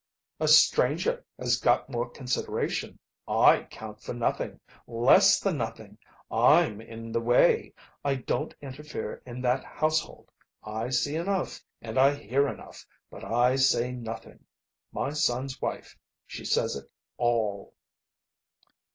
"A stranger has got more consideration. I count for nothing. Less than nothing. I'm in the way. I don't interfere in that household. I see enough, and I hear enough, but I say nothing. My son's wife, she says it all."